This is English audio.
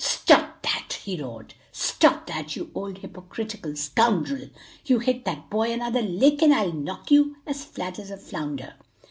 "Stop that!" he roared, "stop that, you old hypocritical scoundrel! You hit that boy another lick and I'll knock you as flat as a flounder!"